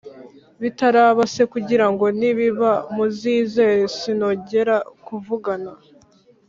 bitaraba c kugira ngo nibiba muzizere Sinongera kuvugana